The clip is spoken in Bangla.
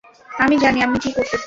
আমি জানি আমি কি করতেছি।